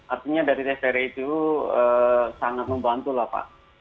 artinya dari tri itu sangat membantu lah pak